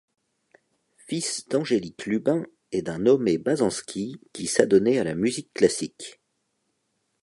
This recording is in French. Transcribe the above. Fils d'Angélique Lubin et d'un nommé Bazenski qui s'adonnait à la musique classique.